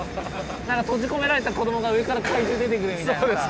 なんか閉じ込められた子供が上から怪獣出てくるみたいなさあ。